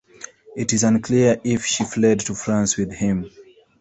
It is unclear if she fled to France with him.